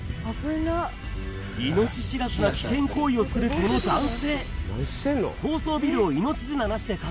命知らずな危険行為をするこの男性